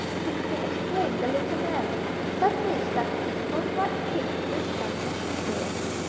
quickly exclaimed the little man, suddenly slapping his own right cheek with startling vigour.